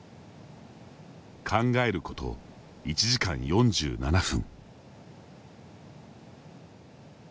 考えること１時間４７分。